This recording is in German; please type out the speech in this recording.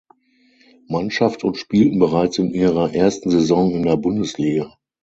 Mannschaft und spielten bereits in ihrer ersten Saison in der Bundesliga.